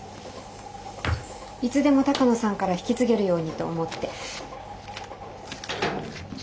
いつでも鷹野さんから引き継げるようにと思って。